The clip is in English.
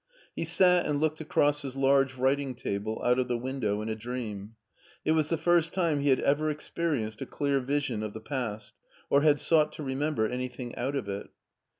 He sat and looked across his large writing table out of the window in a dream. It was the first time he had ever experienced a clear vision of the past, or had sought to remember anything out of it.